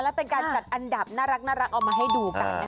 แล้วไปกันจัดอันดับน่ารักออกมาให้ดูกันนะคุณ